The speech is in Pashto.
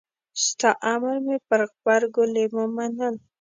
ستا امر مې پر غبرګو لېمو منل.